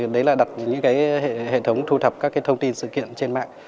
đấy là đặt những hệ thống thu thập các thông tin sự kiện trên mạng